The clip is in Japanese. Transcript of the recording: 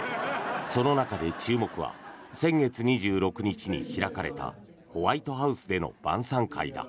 その中で注目は先月２６日に開かれたホワイトハウスでの晩さん会だ。